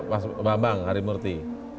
mas bambang harimurti